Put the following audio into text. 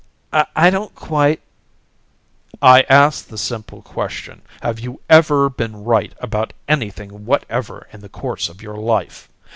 "I don't quite " "I ask the simple question: Have you ever been right about anything whatever in the course of your life?